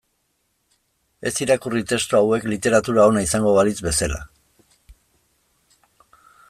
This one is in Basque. Ez irakurri testu hauek literatura ona izango balitz bezala.